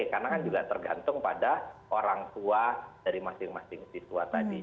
karena kan juga tergantung pada orang tua dari masing masing siswa tadi